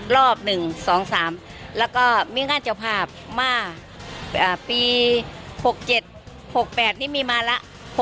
รอบ๑๒๓แล้วก็มีงานเจ้าภาพมาปี๖๗๖๘นี่มีมาแล้ว